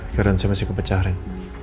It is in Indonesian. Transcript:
karena saya masih kepecahan